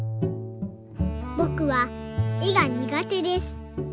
「ぼくは絵が苦手です。